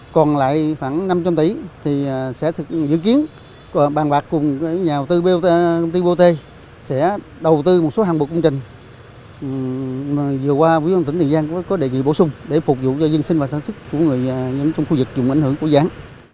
còn lại khoảng năm trăm linh tỷ thì sẽ dự kiến bàn bạc cùng nhà đầu tư bot sẽ đầu tư một số hàng bộ công trình mà vừa qua quý văn tỉnh tiền giang có đề nghị bổ sung để phục vụ cho dân sinh và sản xuất của người dân trong khu vực dùng ảnh hưởng của gián